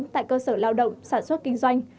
tại cơ sở lao động sản xuất kinh doanh